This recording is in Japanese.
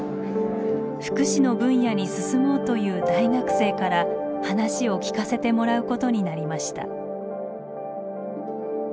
福祉の分野に進もうという大学生から話を聞かせてもらうことになりました。